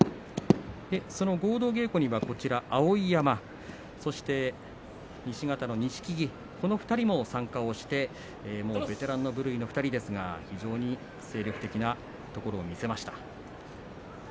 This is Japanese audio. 合同稽古には碧山、そして西方の錦木この２人も参加してベテランの部類の２人ですが非常に精力的なところを見せました。